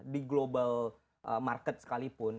di global market sekalipun